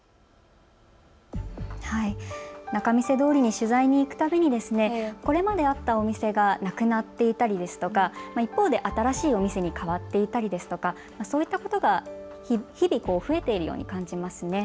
仲見世通りに取材に行くたびにこれまであったお店がなくなっていたりですとか新しいお店にかわっていたりですとか、そういったことが日々増えているように感じますね。